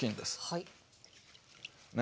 はい。